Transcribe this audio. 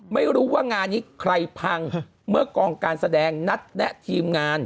ไม่รู้ว่างานนี้ใครพังเมื่อกองการแสดงนัดแนะทีมงาน